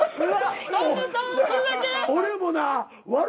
俺もな笑